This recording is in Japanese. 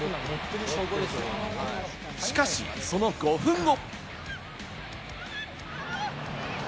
しかし、その５分後。